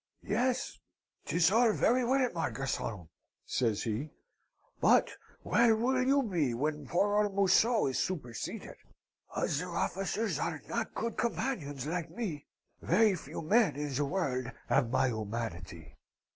"'Yes; 'tis all very well, my garcon,' says he. 'But where will you be when poor old Museau is superseded? Other officers are not good companions like me. Very few men in the world have my humanity.